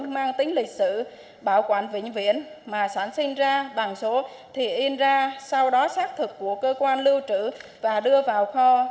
mang tính lịch sử bảo quản vĩnh viễn mà sản sinh ra bằng số thì in ra sau đó xác thực của cơ quan lưu chữ và đưa vào kho